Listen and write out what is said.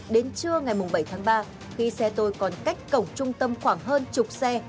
đến trưa ngày bảy tháng ba khi xe tôi còn cách cổng trung tâm khoảng hơn chục xe